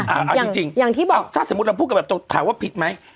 อันนี้จริงถ้าสมมติเราถามว่าผิดไหม